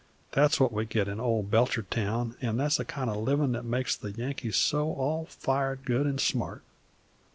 that's what we get in old Belchertown; an' that's the kind of livin' that makes the Yankees so all fired good an' smart.